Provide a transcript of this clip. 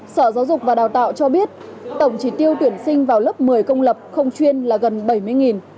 sở giáo dục và đào tạo cho biết tổng trí tiêu tuyển sinh vào lớp một mươi công lập không chuyên là gần bảy mươi